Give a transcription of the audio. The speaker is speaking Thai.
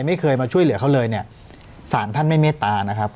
ไม่เคยมาช่วยเหลือเขาเลยเนี่ยสารท่านไม่เมตตานะครับ